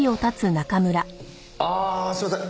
ああすみません